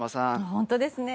本当ですね。